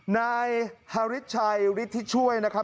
นายฮาริสชัยฤทธิช่วยนะครับ